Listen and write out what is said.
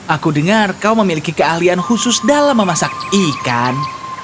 aku dengar kau memiliki keahlian khusus dalam memasak ikan